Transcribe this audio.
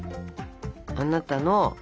あなたの。